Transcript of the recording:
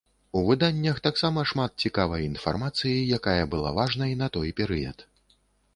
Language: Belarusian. У выданнях таксама шмат цікавай інфармацыі, якая была важнай на той перыяд.